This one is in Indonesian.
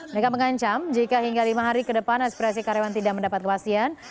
mereka mengancam jika hingga lima hari ke depan aspirasi karyawan tidak mendapat kewasian